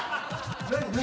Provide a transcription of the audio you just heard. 何？